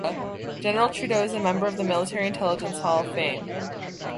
General Trudeau is a member of the Military Intelligence Hall of Fame.